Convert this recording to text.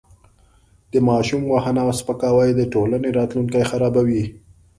د ماشوم وهنه او سپکاوی د ټولنې راتلونکی خرابوي.